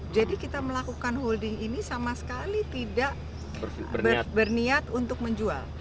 jadi kita melakukan holding ini sama sekali tidak berniat untuk menjual